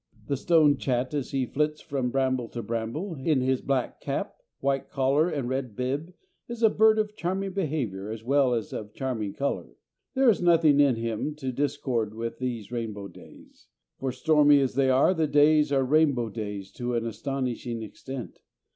The stone chat as he flits from bramble to bramble in his black cap, white collar, and red bib is a bird of charming behaviour as well as of charming colour. There is nothing in him at discord with these rainbow days. For stormy as they are, the days are rainbow days to an astonishing extent.